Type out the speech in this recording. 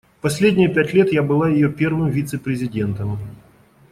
Последние пять лет я была её первым вице-президентом.